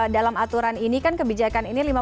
dalam aturan ini kan kebijaksanaannya